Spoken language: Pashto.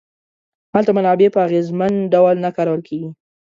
هلته منابع په اغېزمن ډول نه کارول کیږي.